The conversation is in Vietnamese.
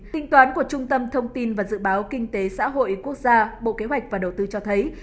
tính toán của trung tâm thông tin và dự báo kinh tế xã hội quốc gia bộ kế hoạch và đầu tư cho thấy